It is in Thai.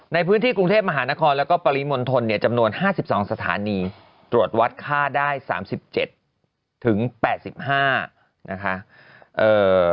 ในพื้นที่กรุงเทพมหานครแล้วก็ปริมณฑลเนี่ยจำนวน๕๒สถานีตรวจวัดค่าได้๓๗๘๕นะคะ